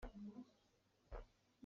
Kan vanpang kan nalh.